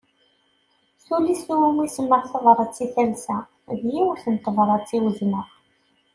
Tullist iwumi semmaɣ Tabrat i talsa, d yiwet n tebrat i uzneɣ.